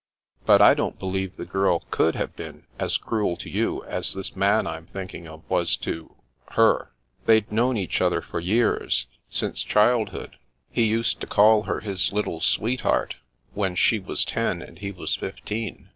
" But I don't believe the girl could have been as cruel to you, as this man Fm thinking of was to— her. They'd known each other for years, since child hood. He used to call her his ' little sweetheart ' when she was ten and he was fifteen.